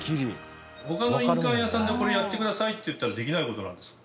他の印鑑屋さんで「これやってください」って言ったらできない事なんですか？